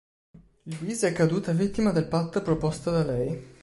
Louise è caduta vittima del patto proposto da lei.